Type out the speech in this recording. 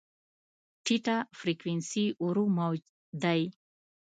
ټیټه فریکونسي ورو موج دی.